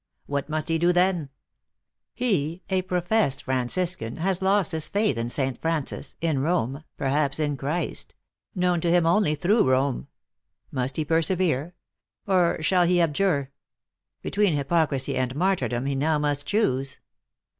What must he do, then ? He, a professed Franciscan, has lost his faith in St. Francis, in Rome, perhaps in Christ ! known to him only through Rome. Must he persevere? or shall he abjure? Between hypocrisy and martyrdom, he now must choose.